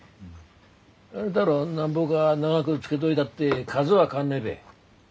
あれだろうなんぼか長ぐつけどいだって数は変わんねえべ。